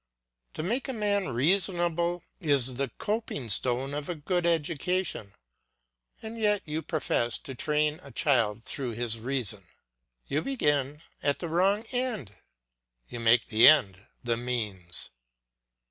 To make a man reasonable is the coping stone of a good education, and yet you profess to train a child through his reason! You begin at the wrong end, you make the end the means.